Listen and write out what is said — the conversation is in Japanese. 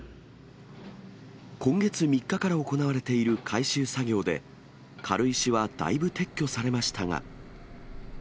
今月３日から行われている回収作業で、軽石はだいぶ撤去されましたが。